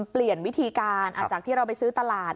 เปลี่ยนวิธีการจากที่เราไปซื้อตลาด